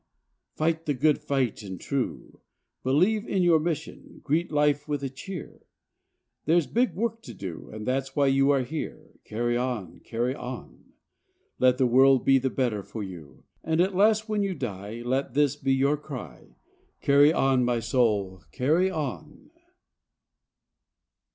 Fight the good fight and true; Believe in your mission, greet life with a cheer; There's big work to do, and that's why you are here. Carry on! Carry on! Let the world be the better for you; And at last when you die, let this be your cry: _CARRY ON, MY SOUL! CARRY ON!